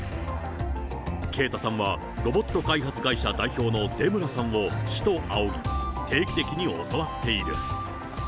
圭太さんはロボット開発会社代表の出村さんを師と仰ぎ、定期的に教わっている。